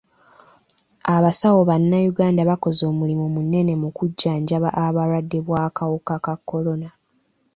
Abasawo bannayuganda bakoze omulimu munene mu kujjanjaba abalwadde b'akawuka ka kolona.